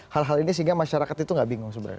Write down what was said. hal hal ini sehingga masyarakat itu nggak bingung sebenarnya